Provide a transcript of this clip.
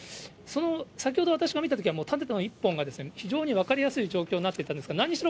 先ほど、私が見たときは縦の１本が非常に分かりやすい状況になっていたんですが、なにしろ、